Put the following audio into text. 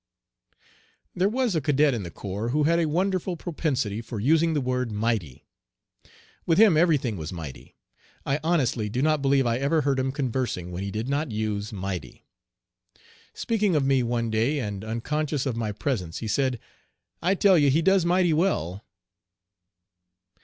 There was a cadet in the corps who had a wonderful propensity for using the word "mighty." With him everything was "mighty." I honestly do not believe I ever heard him conversing when he did not use "mighty." Speaking of me one day, and unconscious of my presence, he said, "I tell you he does 'mighty' well."